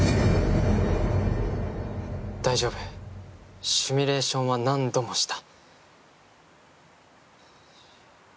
大丈夫シミュレーションは何度もした。